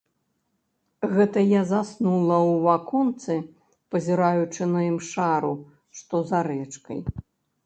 Гэта я заснула ў аконцы, пазіраючы на імшару, што за рэчкай.